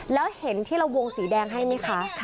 แล้วเห็นที่เราวงสีแดงให้ไหมคะ